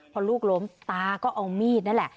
พอลูกล้มตาก็เอามีดนั่นแหละ